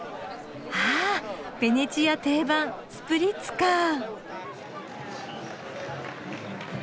あベネチア定番スプリッツか。